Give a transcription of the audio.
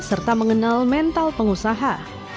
serta mengenal mental pengusaha